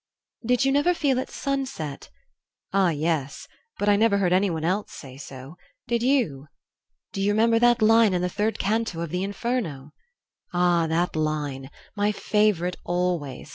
"Did you never feel at sunset " "Ah, yes; but I never heard anyone else say so. Did you?" "Do you remember that line in the third canto of the 'Inferno?'" "Ah, that line my favorite always.